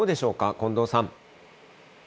近藤さん。